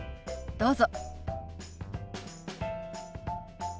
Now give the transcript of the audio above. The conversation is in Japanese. どうぞ。